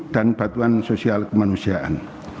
dan bantuan sosial kemanusiaan